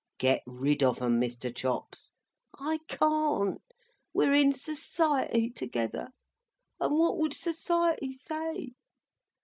"Get rid of 'em, Mr. Chops." "I can't. We're in Society together, and what would Society say?"